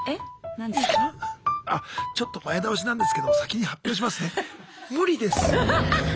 あちょっと前倒しなんですけども先に発表しますね。